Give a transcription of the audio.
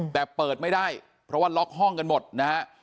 แต่เปิดไม่ได้เพราะว่าล็อกห้องกันหมดนะฮะ